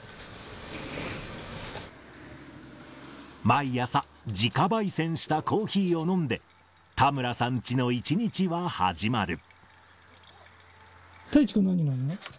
毎朝、自家ばい煎したコーヒーを飲んで、田村さんチの一日は始まる。